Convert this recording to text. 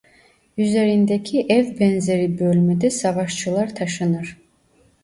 Üzerindeki ev benzeri bölmede savaşçılar taşınır.